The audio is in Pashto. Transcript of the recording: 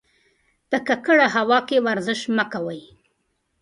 په ککړه هوا کې ورزش مه کوئ.